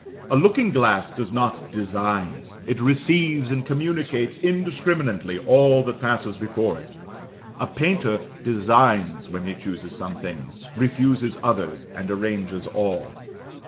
A looking glass does not design it receives and communicates indiscriminately all that passes before it; a painter designs when he chooses some things, refuses others, and arranges all.